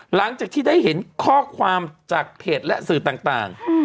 หลังจากที่ได้เห็นข้อความจากเพจและสื่อต่าง